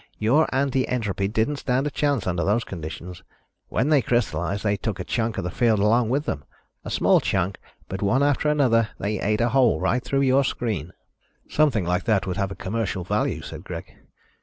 Your anti entropy didn't stand a chance under those conditions. When they crystalized, they took a chunk of the field along with them, a small chunk, but one after another they ate a hole right through your screen." "Something like that would have a commercial value," said Greg.